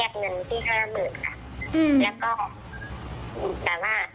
ยังไม่ได้ลูกค้า